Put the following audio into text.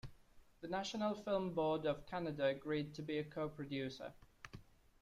The National Film Board of Canada agreed to be a co-producer.